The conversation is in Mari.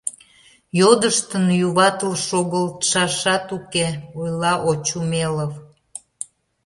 — Йодыштын юватыл шогылтшашат уке, — ойла Очумелов.